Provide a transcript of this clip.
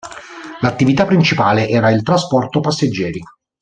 L'attività principale era il trasporto passeggeri.